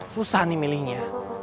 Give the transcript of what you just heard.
susah nih milihnya